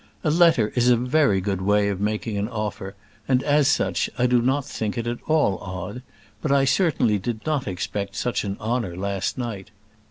A letter is a very good way of making an offer, and as such I do not think it at all odd; but I certainly did not expect such an honour last night.